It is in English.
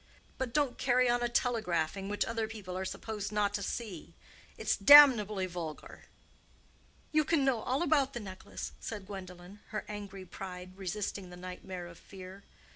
But don't carry on a telegraphing which other people are supposed not to see. It's damnably vulgar." "You can know all about the necklace," said Gwendolen, her angry pride resisting the nightmare of fear.